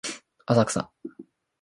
浅草